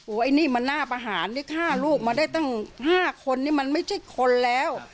อันนี้มันน่าประหารนี่ฆ่าลูกมาได้ตั้ง๕คนนี่มันไม่ใช่คนแล้ว